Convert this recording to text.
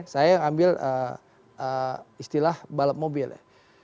saya ambil istilah balap mobil ya